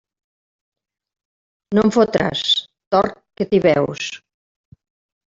No em fotràs, tort, que t'hi veus.